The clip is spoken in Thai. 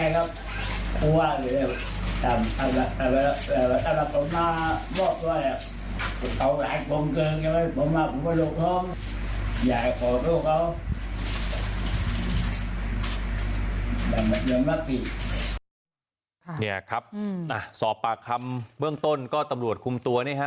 นี่ครับสอบปากคำเบื้องต้นก็ตำรวจคุมตัวนี่ฮะ